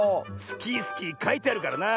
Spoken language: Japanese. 「スキースキー」かいてあるからな。